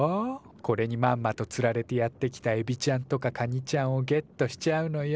これにまんまとつられてやって来たエビちゃんとかカニちゃんをゲットしちゃうのよ。